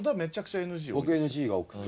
僕ＮＧが多くて。